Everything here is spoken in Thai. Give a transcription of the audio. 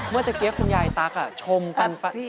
เมื่อเกี๊ยวคุณยายตั๊กชมปันปัน